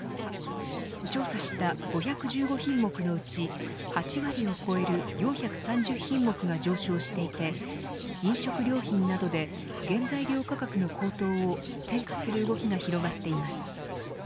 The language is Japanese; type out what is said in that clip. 調査した５１５品目のうち８割を超える４３０品目が上昇していて飲食料品などで原材料価格の高騰を転嫁する動きが広がっています。